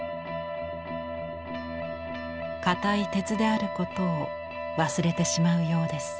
硬い鉄であることを忘れてしまうようです。